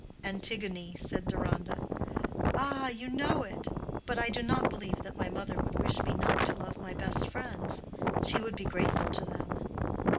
"Antigone," said Deronda. "Ah, you know it. But I do not believe that my mother would wish me not to love my best friends. She would be grateful to them."